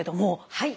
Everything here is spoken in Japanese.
はい。